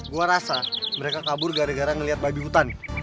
gue rasa mereka kabur gara gara ngeliat babi hutan